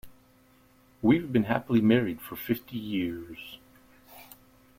We've been happily married for fifty years.